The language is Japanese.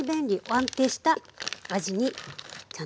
安定した味にちゃんとつきます。